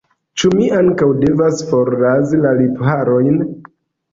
Ĉu mi ankaŭ devas forrazi la lipharojn?